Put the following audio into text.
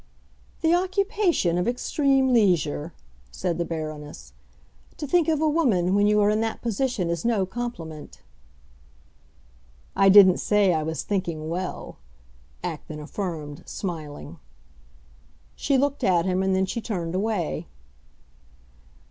"The occupation of extreme leisure!" said the Baroness. "To think of a woman when you are in that position is no compliment." "I didn't say I was thinking well!" Acton affirmed, smiling. She looked at him, and then she turned away.